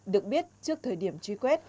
được biết trước thời điểm truy quét